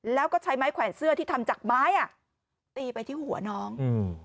แล้วก็ใช้ไม้แขวนเสื้อที่ทำจากไม้อ่ะตีไปที่หัวน้องอืม